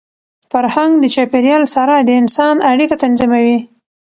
فرهنګ د چاپېریال سره د انسان اړیکه تنظیموي.